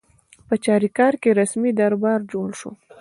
په چاریکار کې رسمي دربار جوړ شو.